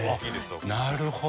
なるほど。